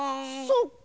そっか。